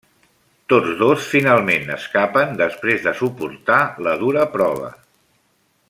Tots dos finalment escapen després de suportar la dura prova.